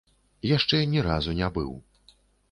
Яшчэ ні разу не быў.